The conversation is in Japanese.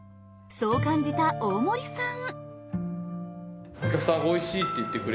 そう感じた大森さん。